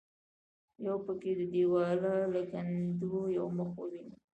یو پکې د دیواله له کنډوه یو مخ وویني.